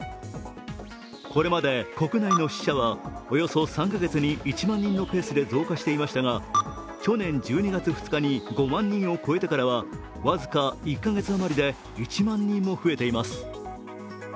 これまで国内の死者はおよそ３カ月に１万人のペースで増加していましたが去年１２月２日に５万人を超えてからは僅か１か月余りで１万人も増えています。